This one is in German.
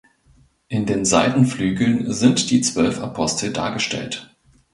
In den Seitenflügeln sind die zwölf Apostel dargestellt.